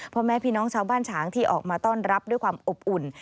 พ่อแม่พี่น้องชาวบ้านฉางที่ออกมาต้อนรับด้วยความอบอุ่น